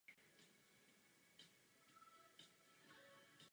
Jsem přesvědčena, že angličtina je opravdu tím pravým jazykem.